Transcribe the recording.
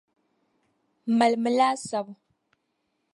Malimi laasabu.